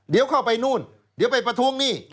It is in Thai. เดี๋ยวเข้าไปนู่นเดี๋ยวไปประท้วงหนี้